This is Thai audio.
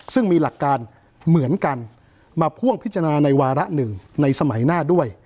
ซึ่งมีหลักการเหมือนกันมาพ่วงพิจารณาในวาระหนึ่งในสมัยหน้าด้วย